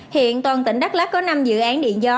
hiện toàn tỉnh đắk lắc có năm dự án điện gió